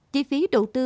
chi phí đầu tư